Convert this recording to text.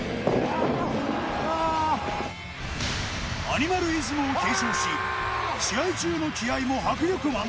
アニマルイズムを継承し試合中の気合も迫力満点。